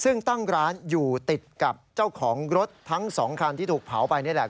ซึ่งตั้งร้านอยู่ติดกับเจ้าของรถทั้ง๒คันที่ถูกเผาไปนี่แหละ